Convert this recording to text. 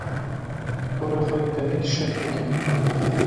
Porê xwe yê tenik şeh bike.